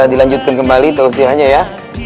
dilanjutkan kembali tausisnya ya